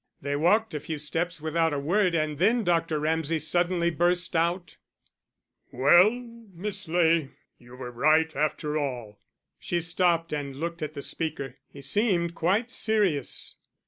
They walked a few steps without a word, and then Dr. Ramsay suddenly burst out "Well, Miss Ley, you were right after all." She stopped and looked at the speaker he seemed quite serious.